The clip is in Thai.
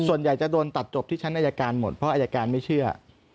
ส่วนใหญ่จะโดนตัดจบที่ชั้นอายการหมดเพราะอายการไม่เชื่อ